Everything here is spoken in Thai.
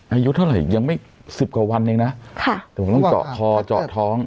อายุเท่าไหร่ยังไม่สิบกว่าวันเองนะค่ะแต่ผมต้องเจาะคอเจาะท้อง